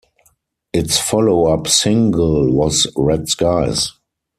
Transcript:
Its follow-up single was Red Skies.